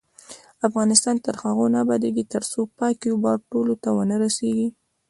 افغانستان تر هغو نه ابادیږي، ترڅو پاکې اوبه ټولو ته ونه رسیږي.